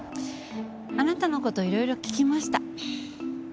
あなたの事いろいろ聞きました。